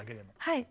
はい。